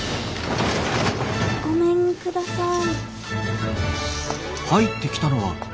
・ごめんください。